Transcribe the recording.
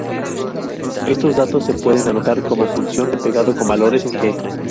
Estos datos se pueden anotar como función de pegado, con valores en "G".